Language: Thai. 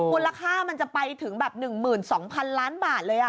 มูลค่ามันจะไปถึงแบบ๑๒๐๐๐ล้านบาทเลย